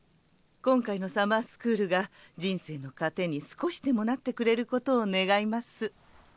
今回のサマースクールが人生の糧に少しでもなってくれることを願います。